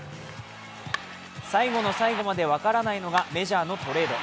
最後の最後まで分からないのがメジャーのトレード。